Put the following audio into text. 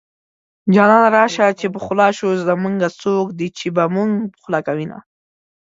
جانانه راشه چې پخلا شو زمونږه څوک دي چې به مونږ پخلا کوينه